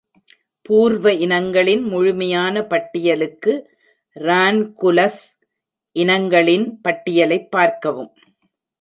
பூர்வ இனங்களின் முழுமையான பட்டியலுக்கு “ரான்குலஸ்” இனங்களின் பட்டியலைப் பார்க்கவும்.